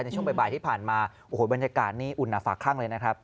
ในช่วงบ่ายที่ผ่านมาโอ้โหบรรยากาศนี้อุ่นฝากข้างเลยนะครับ